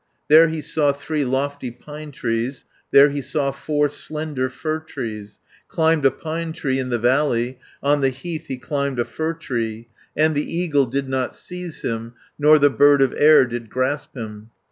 "There he saw three lofty pine trees, There he saw four slender fir trees, Climbed a pine tree in the valley, On the heath he climbed a fir tree, And the eagle did not seize him, Nor the bird of air did grasp him.